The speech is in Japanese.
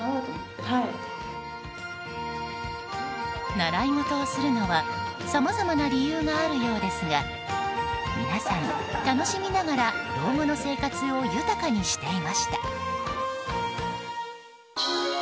習い事をするのはさまざまな理由があるようですが皆さん、楽しみながら老後の生活を豊かにしていました。